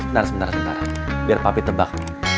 ntar sebentar sebentar biar papi tebak